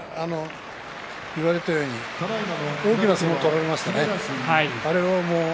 言われたように大きな相撲を取りましたね。